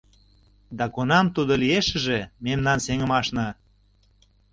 Да кунам тудо лиешыже, мемнан сеҥымашна?